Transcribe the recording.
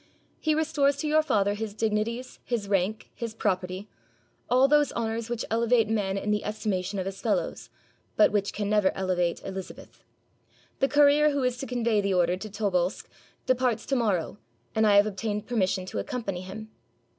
He restores to your father his dignities, his rank, his property: all those honors which elevate man in the estimation of his fel lows, but which can never elevate Elizabeth, The courier who is to convey the order to Tobolsk departs to mor row, and I have obtained permission to accompany him."